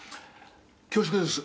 恐縮です。